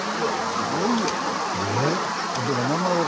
すごいよねこれ。